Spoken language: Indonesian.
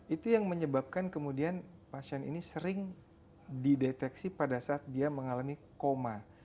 itu yang menyebabkan kemudian pasien ini sering dideteksi pada saat dia mengalami koma